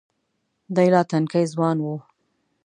دی لا تنکی ځوان و.